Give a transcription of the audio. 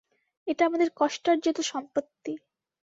এটা আমাদের কষ্টার্জিত সম্পত্তি।